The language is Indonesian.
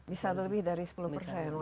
bisa lebih dari sepuluh persen